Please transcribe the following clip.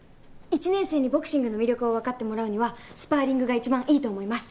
１年生にボクシングの魅力をわかってもらうにはスパーリングが一番いいと思います。